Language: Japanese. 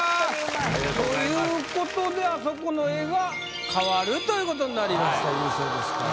ということであそこの絵が変わるということになりました優勝ですから。